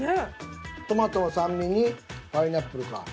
トマトの酸味にパイナップルか。